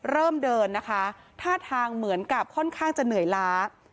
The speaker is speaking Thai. เริ่มเดินนะคะท่าทางเหมือนกับค่อนข้างจะเหนื่อยล้า